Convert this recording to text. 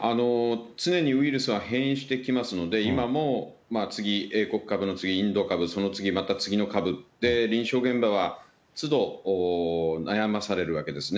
常にウイルスは変異してきますので、今も、次、英国株の次、インド株、その次、また次の株って、臨床現場はつど、悩まされるわけですね。